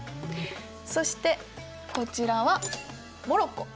そしてこちらはモロッコ。